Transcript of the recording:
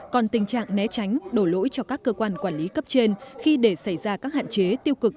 còn tình trạng né tránh đổ lỗi cho các cơ quan quản lý cấp trên khi để xảy ra các hạn chế tiêu cực